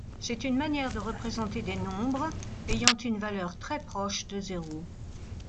C'est une manière de représenter des nombres ayant une valeur très proche de zéro.